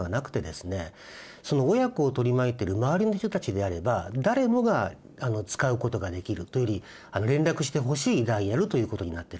その親子を取り巻いてる周りの人たちであれば誰もが使うことができるというより連絡してほしいダイヤルということになっているんですね。